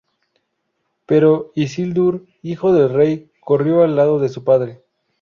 Pero Isildur, hijo del rey, corrió al lado de su padre.